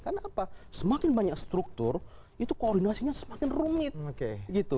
karena apa semakin banyak struktur itu koordinasinya semakin rumit